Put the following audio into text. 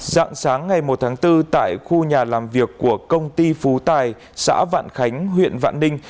dạng sáng ngày một tháng bốn tại khu nhà làm việc của công ty phú tài xã vạn khánh huyện vạn ninh